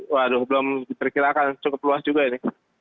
waduh belum diperkirakan cukup luas juga ini